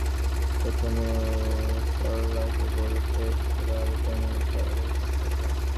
প্রথমে ও সরলাকে বলতে এসেছিল–আর উপায় নেই, ছাড়াছাড়ি করতে হবে।